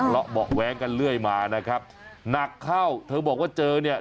ละเบาะแว้งกันเรื่อยมานะครับหนักเข้าเธอบอกว่าเจอเนี่ย